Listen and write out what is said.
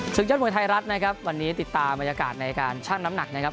ยอดมวยไทยรัฐนะครับวันนี้ติดตามบรรยากาศในการชั่งน้ำหนักนะครับ